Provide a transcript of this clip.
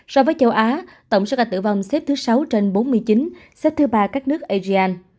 so với châu á tổng số ca tử vong xếp thứ sáu trên bốn mươi chín xếp thứ ba các nước asean